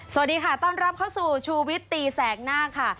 สวัสดีค่ะต้อนรับเข้าสู่ชูวิตตีแสกหน้าค่ะ